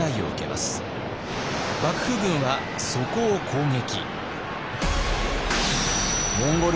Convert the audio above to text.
幕府軍はそこを攻撃。